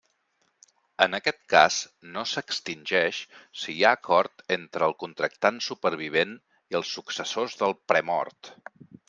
En aquest cas no s'extingeix si hi ha acord entre el contractant supervivent i els successors del premort.